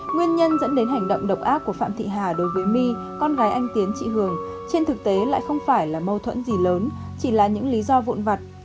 nguyên nhân dẫn đến hành động độc ác của phạm thị hà đối với my con gái anh tiến chị hường trên thực tế lại không phải là mâu thuẫn gì lớn chỉ là những lý do vụn vặt